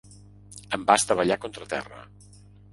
Em va estavellar contra terra.